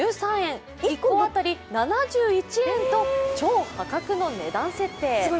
１個当たり７１円と超破格の値段設定。